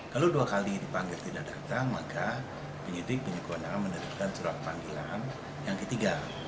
kalau dua kali dipanggil tidak datang maka penyidik punya kewenangan menerbitkan surat panggilan yang ketiga